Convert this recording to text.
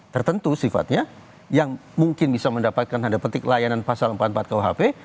tertentu sifatnya yang mungkin bisa mendapatkan tanda petik layanan pasal empat puluh empat kuhp